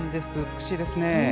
美しいですね。